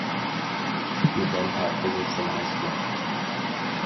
He then taught physics in high school.